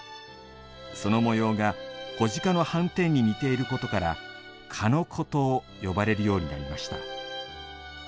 その模様が子鹿の斑点に似ていることから「鹿の子」と呼ばれるようになりました。